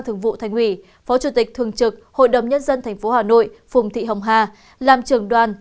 thường vụ thành ủy phó chủ tịch thường trực hội đồng nhân dân thành phố hà nội phùng thị hồng hà làm trường đoàn